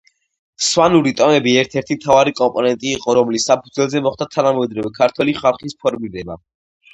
სვანური ტომები ერთ-ერთი მთავარი კომპონენტი იყო, რომლის საფუძველზე მოხდა თანამედროვე ქართველი ხალხის ფორმირება.